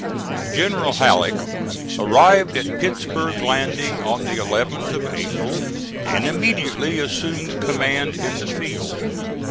General Halleck arrived at Pittsburg landing on the 11th of April and immediately assumed command in the field.